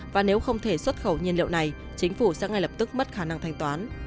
và nếu không thể xuất khẩu nhiên liệu này chính phủ sẽ ngay lập tức mất khả năng thanh toán